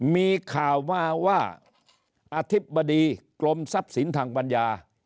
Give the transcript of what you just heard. มีข่าวมาว่าอธิบดีกรมทรัพย์สินทางปัญญา